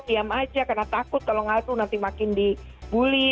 diam aja karena takut kalau ngaku nanti makin dibully